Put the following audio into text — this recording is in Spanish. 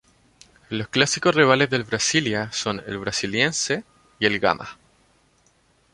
Los clásicos rivales del Brasília son el Brasiliense y el Gama.